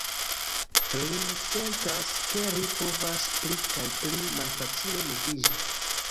Ri sentas, ke ri povas pli kaj pli malfacile moviĝi.